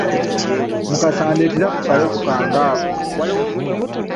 Mukasa ndeetera ku kaleku kange ako.